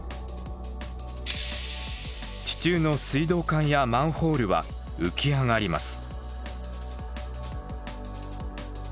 地中の水道管やマンホールは浮き上がります。